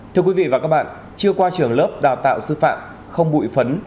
thưa quý vị và các bạn chưa qua trường lớp đào tạo sư phạm không bụi phấn